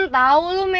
tau lu mel